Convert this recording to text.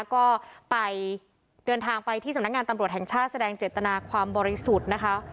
ก็ไปเดินทางไปที่สำนักงานตำรวจแห่งชาติแสดงเจตนาความบริสุทธิ์นะคะ